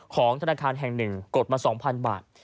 ของธนาคารแห่ง๑กดมา๒๐๐บาท